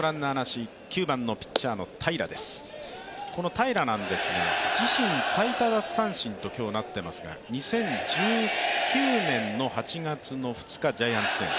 平良なんですが、自身最多奪三振と今日なっていますが２０１９年の８月２日、ジャイアンツ戦。